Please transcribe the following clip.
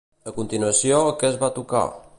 A continuació, què es va tocar?